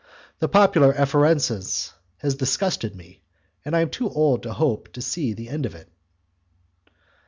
The popular effervescence has disgusted me, and I am too old to hope to see the end of it.